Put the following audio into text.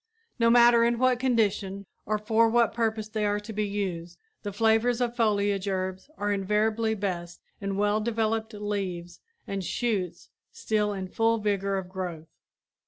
No matter in what condition or for what purpose they are to be used the flavors of foliage herbs are invariably best in well developed leaves and shoots still in full vigor of growth.